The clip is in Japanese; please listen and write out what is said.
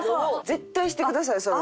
絶対してくださいそれを。